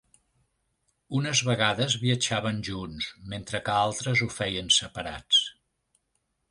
Unes vegades viatjaven junts, mentre que altres ho feien separats.